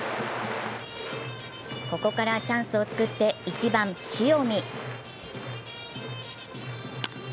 ここからチャンスを作って１番・塩見。